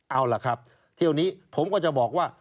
เอาล่ะครับเที่ยวนี้ผมก็จะบอกว่า